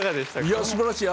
いやすばらしい。